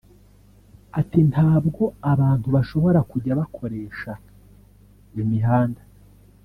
Ati "Ntabwo abantu bashobora kujya bakoresha imihanda